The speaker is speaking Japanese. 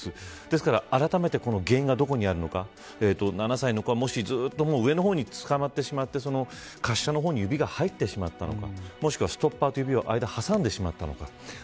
ですから、あらためて原因がどこにあるのか７歳の子が、もし、ずっと上の方につかまってしまって滑車の方に指が入ってしまったのかもしくは、ストッパーと指の間に挟んでしまったのか。